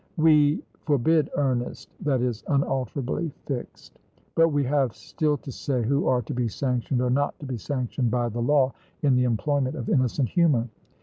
We forbid earnest that is unalterably fixed; but we have still to say who are to be sanctioned or not to be sanctioned by the law in the employment of innocent humour.